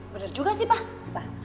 bener juga sih pak